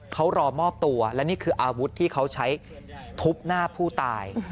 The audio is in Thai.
เขารอมอบตัวและนี่คืออาวุธที่เขาใช้ทุบหน้าผู้ตาย